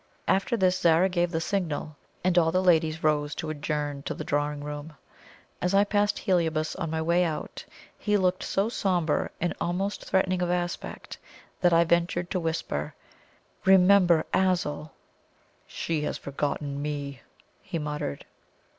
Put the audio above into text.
After this Zara gave the signal, and all the ladies rose to adjourn to the drawing room. As I passed Heliobas on my way out, he looked so sombre and almost threatening of aspect, that I ventured to whisper: "Remember Azul!" "She has forgotten ME!" he muttered.